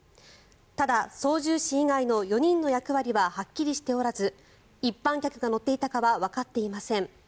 ただ、操縦士以外の４人の役割ははっきりしておらず一般客が乗っていたかはわかっていません。